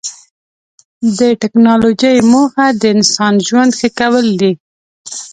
د ټکنالوجۍ موخه د انسان ژوند ښه کول دي.